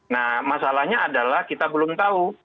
nah masalahnya adalah kita belum tahu